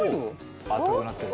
赤くなってる。